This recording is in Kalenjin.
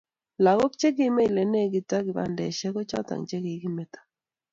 lakok che kimeny ne legit ak kibandesheck ko choto chekikimeto